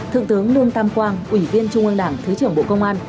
thượng tướng lương tam quang ủy viên trung ương đảng thứ trưởng bộ công an